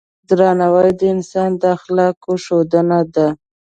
درناوی د انسان د اخلاقو ښودنه ده.